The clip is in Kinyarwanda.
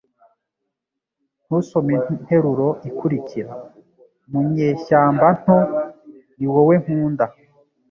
Ntusome interuro ikurikira. Mu nyeshyamba nto, ni wowe nkunda.